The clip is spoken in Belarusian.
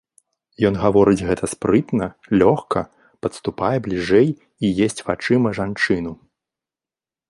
Ён гаворыць гэта спрытна, лёгка, падступае бліжэй і есць вачыма жанчыну.